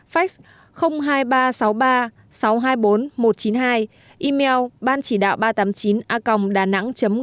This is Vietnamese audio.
fax hai nghìn ba trăm sáu mươi ba sáu trăm hai mươi bốn một trăm chín mươi hai email banchỉđạo ba trăm tám mươi chín acongdanang gov vn